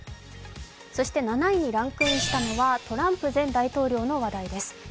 ７位にランクインしたのはトランプ前大統領の話題です。